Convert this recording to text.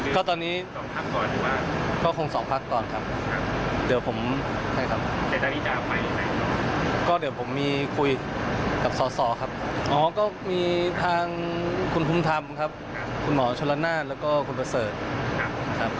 ก็เป็นชุดเดิมที่เราคุยกันต่อเนื่องอยู่แล้วครับ